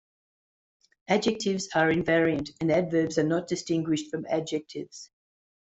Adjectives are invariant, and adverbs are not distinguished from adjectives.